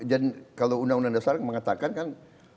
dan kalau undang undang dasar mengatakan kan